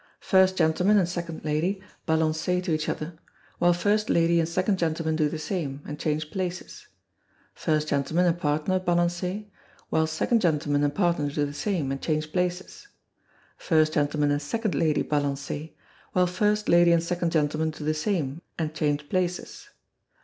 First gentleman and second lady balancez to each other, while first lady and second gentleman do the same, and change places. First gentleman and partner balancez, while second gentleman and partner do the same, and change places. First gentleman and second lady balancez, while first lady and second gentleman do the same, and change places.